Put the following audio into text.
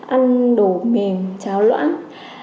ăn đồ mềm cháo loãng